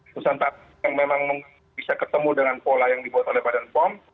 nusantara yang memang bisa ketemu dengan pola yang dibuat oleh badan pom